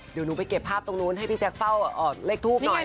เดี๋ยวหนูไปเก็บภาพตรงนู้นให้พี่แจ๊คเฝ้าเลขทูปหน่อย